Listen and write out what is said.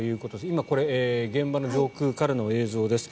今、これは現場の上空からの映像です。